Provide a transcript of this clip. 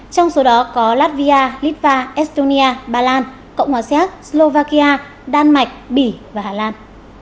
trong số đó có latvia litva estonia bà lan cộng hòa xéc slovakia đan mạch bỉ và hà lan